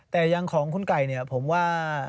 แต่ยังของคุณไก่ผมว่า